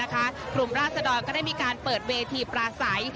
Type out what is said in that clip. กลุ่มราศดรก็ได้มีการเปิดเวทีปลาใส